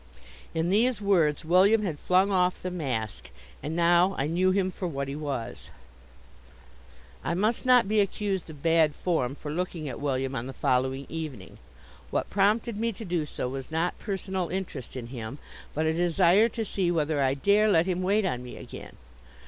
In these words William had flung off the mask, and now I knew him for what he was. I must not be accused of bad form for looking at William on the following evening. What prompted me to do so was not personal interest in him, but a desire to see whether I dare let him wait on me again.